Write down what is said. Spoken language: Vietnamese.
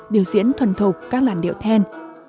điều diễn thuần thục các làn điệu then